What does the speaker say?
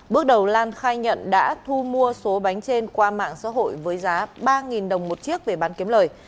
bước đầu lan khai nhận đã thu mua số bánh trên qua mạng xã hội với giá ba đồng một chiếc về bán kiếm lời